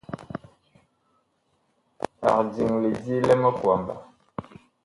Ag diŋ lidi li miŋkwamba.